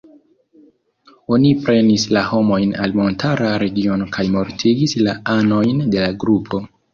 Oni prenis la homojn al montara regiono kaj mortigis la anojn de la grupo.